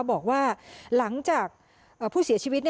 บอกว่าหลังจากผู้เสียชีวิต